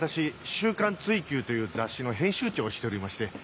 『週刊追求』という雑誌の編集長をしておりまして。